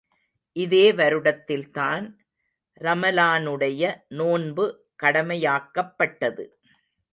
இதே வருடத்தில்தான் ரமலானுடைய நோன்பு கடமையாக்கப்பட்டது.